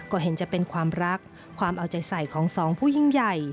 ก็เห็นจะเป็นความรักความเอาใจใส่ของสองผู้ยิ่งใหญ่